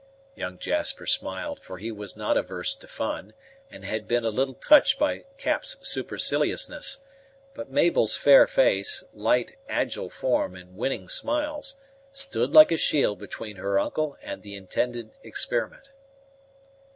Young Jasper smiled, for he was not averse to fun, and had been a little touched by Cap's superciliousness; but Mabel's fair face, light, agile form, and winning smiles, stood like a shield between her uncle and the intended experiment.